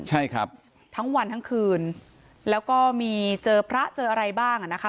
ใช่ครับทั้งวันทั้งคืนแล้วก็มีเจอพระเจออะไรบ้างอ่ะนะคะ